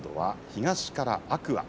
東から天空海。